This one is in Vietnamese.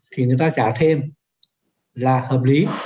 thì người ta trả thêm là hợp lý